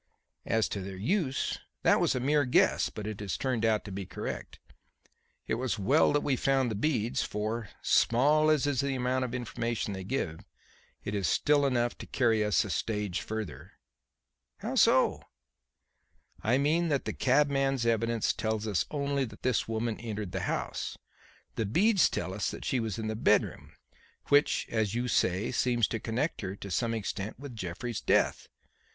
"As to their use, that was a mere guess; but it has turned out to be correct. It was well that we found the beads, for, small as is the amount of information they give, it is still enough to carry us a stage further." "How so?" "I mean that the cabman's evidence tells us only that this woman entered the house. The beads tell us that she was in the bedroom; which, as you say, seems to connect her to some extent with Jeffrey's death.